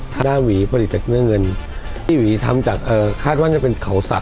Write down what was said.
ท่านวีผลิตจากเงินที่วีทำจากคาดว่าจะในเข่าหนักตาย